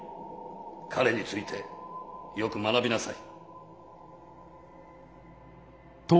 彼に付いてよく学びなさい。